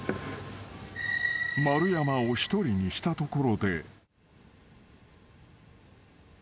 ［丸山を一人にしたところで］